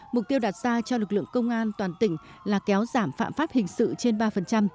mục tiêu đạt ra cho lực lượng công an toàn tỉnh là kéo giảm phạm pháp hình sự trên ba